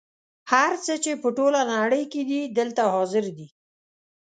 هر څه چې په ټوله نړۍ کې دي دلته حاضر دي.